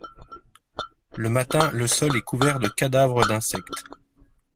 Le matin le sol est couvert de cadavres d'insectes.